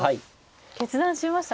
決断しました。